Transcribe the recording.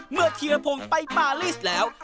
เมื่อเทียบพงศ์ไปปาลิสแล้ว